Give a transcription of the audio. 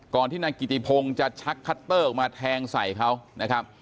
ที่นายกิติพงศ์จะชักคัตเตอร์ออกมาแทงใส่เขานะครับ